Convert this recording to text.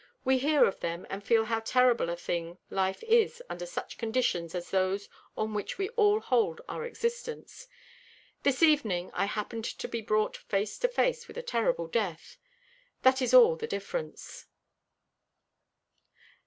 We hear of them, and feel how feeble a thing life is under such conditions as those on which we all hold our existence. This evening I happened to be brought face to face with a terrible death. That is all the difference."